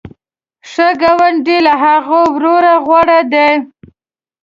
ښه ګاونډی له هغه ورور غوره دی.